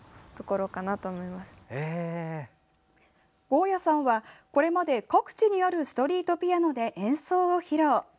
合屋さんはこれまで各地にあるストリートピアノで演奏を披露。